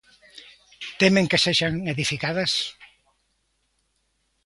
Temen que sexan edificadas?